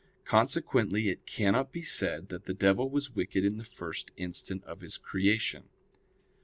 Consequently it cannot be said that the devil was wicked in the first instant of his creation.